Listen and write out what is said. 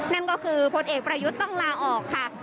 นั่นก็คือพลเอกประยุทธ์ต้องลาออกค่ะ